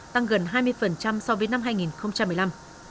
tăng gần hai mươi so với năm hai nghìn một mươi năm